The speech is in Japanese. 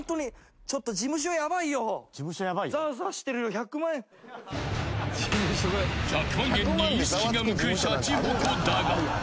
［１００万円に意識が向くシャチホコだが］